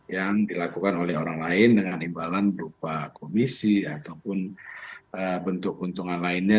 yang dilakukan oleh orang lain dengan imbalan berupa komisi ataupun bentuk keuntungan lainnya